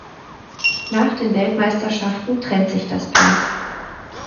Nach den Weltmeisterschaften trennt sich das Paar.